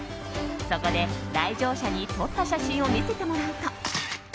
そこで、来場者に撮った写真を見せてもらうと。